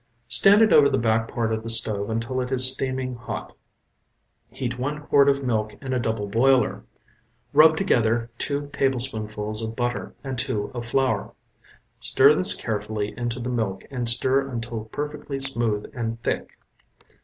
Stand it over the back part of the stove until it is steaming hot. Heat one quart of milk in a double boiler. Rub together two tablespoonfuls of butter and two of flour. Stir this carefully into the milk and stir until perfectly smooth and thick.